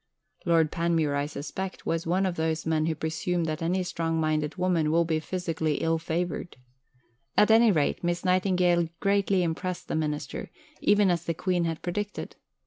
Lord Panmure, I suspect, was one of those men who presume that any strong minded woman will be physically ill favoured. At any rate Miss Nightingale greatly impressed the Minister, even as the Queen had predicted.